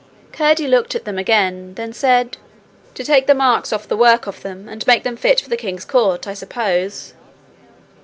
Curdie looked at them again then said: 'To take the marks of the work off them and make them fit for the king's court, I suppose.'